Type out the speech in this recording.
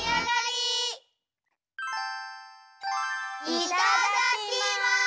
いただきます！